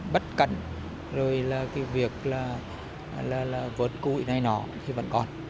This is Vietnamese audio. bất cẩn rồi là cái việc là vớt cụi này nọ thì vẫn còn